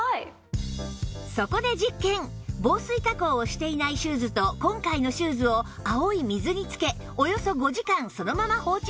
防水加工をしていないシューズと今回のシューズを青い水につけおよそ５時間そのまま放置しました